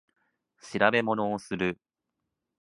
調べ物をする